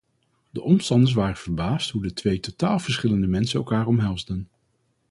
De omstanders waren verbaasd hoe de twee totaal verschillende mensen elkaar omhelsden.